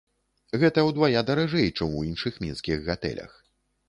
Гэта ўдвая даражэй, чым у іншых мінскіх гатэлях.